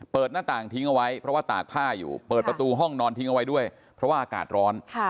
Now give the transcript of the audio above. หน้าต่างทิ้งเอาไว้เพราะว่าตากผ้าอยู่เปิดประตูห้องนอนทิ้งเอาไว้ด้วยเพราะว่าอากาศร้อน